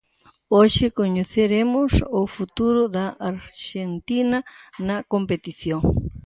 Hoxe coñeceremos o futuro da Arxentina na competición.